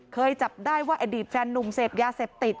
เคยจับได้ว่าอดีตแฟนนุ่มเสพยาเสพติด